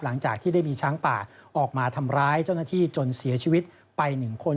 หลังจากที่ได้มีช้างป่าออกมาทำร้ายเจ้าหน้าที่จนเสียชีวิตไป๑คน